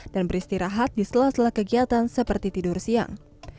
dan beristirahat di sela sela kegiatan seperti tidur siang